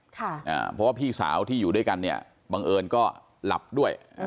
เพราะว่าพี่สาวที่อยู่ด้วยกันเนี่ยบังเอิญก็หลับด้วย